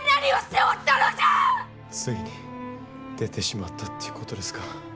ついに出てしまったということですか。